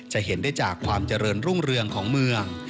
เห็นได้จากความเจริญรุ่งเรืองของเมือง